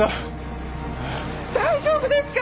大丈夫ですか？